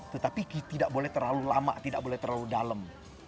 tetapi tidak boleh terlalu lama tidak boleh terlalu dalam